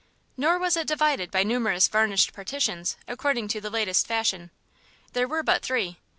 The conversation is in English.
Nor was it divided by numerous varnished partitions, according to the latest fashion. There were but three.